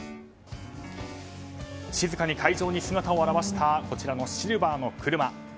静かに会場に姿を現したこちらのシルバーの車。